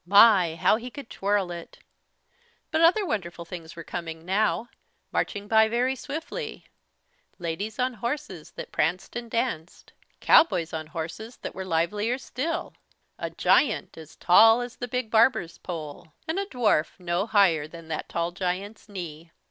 My! how he could twirl it! But other wonderful things were coming now, marching by very swiftly, ladies on horses that pranced and danced; cowboys on horses that were livelier still; a giant as tall as the big barber's pole; and a dwarf no higher than that tall giant's knee.